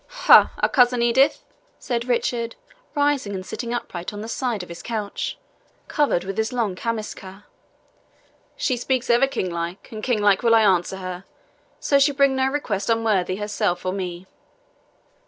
"Ha! our cousin Edith?" said Richard, rising and sitting upright on the side of his couch, covered with his long camiscia. "She speaks ever kinglike, and kinglike will I answer her, so she bring no request unworthy herself or me."